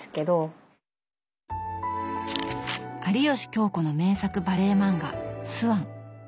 有吉京子の名作バレエ漫画「ＳＷＡＮ」。